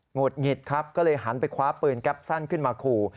ุดหงิดครับก็เลยหันไปคว้าปืนแก๊ปสั้นขึ้นมาขู่